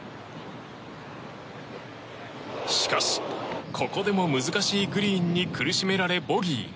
しかし、ここでも難しいグリーンに苦しめられボギー。